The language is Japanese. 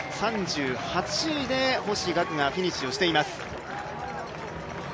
３８位で星岳がフィニッシュをしています。